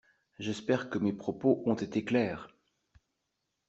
J’espère que mes propos ont été clairs.